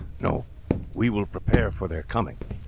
No; we will prepare for their coming.